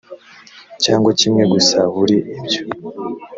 cyangwa kimwe gusa buri ibyo